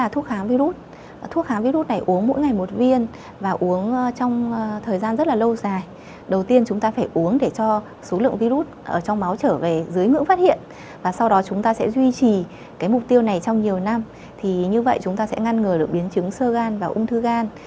thì như vậy chúng ta sẽ ngăn ngừa được biến chứng sơ gan và ung thư gan